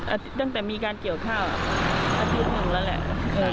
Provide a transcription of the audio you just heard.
ตั้งแต่มีการเกี่ยวข้าวอาทิตย์หนึ่งแล้วแหละ